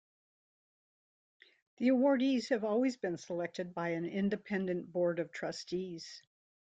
The awardees have always been selected by an independent Board of Trustees.